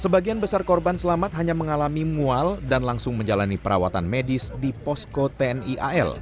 sebagian besar korban selamat hanya mengalami mual dan langsung menjalani perawatan medis di posko tni al